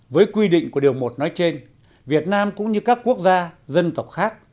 với quy định của điều một nói trên việt nam cũng như các quốc gia dân tộc khác